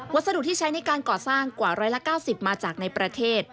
สดุที่ใช้ในการก่อสร้างกว่า๑๙๐มาจากในประเทศ